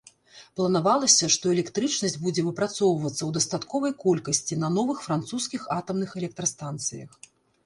Планавалася, што электрычнасць будзе выпрацоўвацца ў дастатковай колькасці на новых французскіх атамных электрастанцыях.